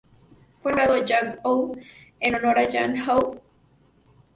Fue nombrado Yangzhou en honor a Yangzhou ciudad de la República Popular China.